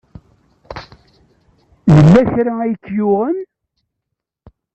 Yella kra ay k-yuɣen?